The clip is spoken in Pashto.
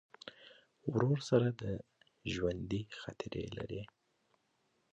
ورور سره د ژوندي خاطرې لرې.